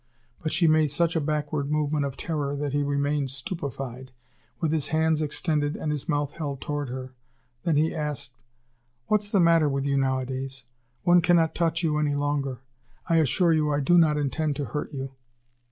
But she made such a backward movement of terror that he remained stupefied, with his hands extended and his mouth held toward her. Then he asked: "What's the matter with you nowadays? One cannot touch you any longer. I assure you I do not intend to hurt you."